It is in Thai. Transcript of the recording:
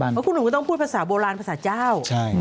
ว่าน้ำหนุ่งก็ต้องพูดภาษาโบราณภาษาเจ้าใช่